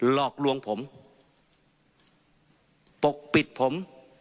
หลอกลวงผมปกปิดผม